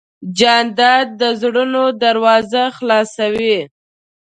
جانداد د زړونو دروازه خلاصوي.